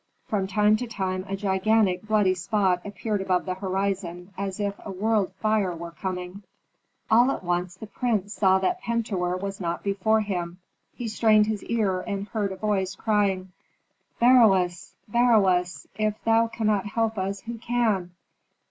From time to time a gigantic bloody spot appeared above the horizon, as if a world fire were coming. All at once the prince saw that Pentuer was not before him. He strained his ear and heard a voice, crying, "Beroes! Beroes! If thou cannot help us, who can?